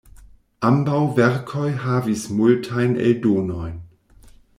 Ambaŭ verkoj havis multajn eldonojn.